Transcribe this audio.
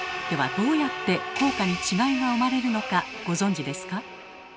ではどうやって効果に違いが生まれるのかご存じですか？